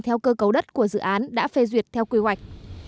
theo cơ cấu đất của dự án đã phê duyệt theo quy hoạch